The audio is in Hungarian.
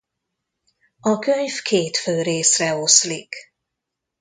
A könyv két fő részre oszlik.